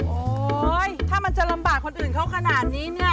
โอ๊ยถ้ามันจะลำบากคนอื่นเขาขนาดนี้เนี่ย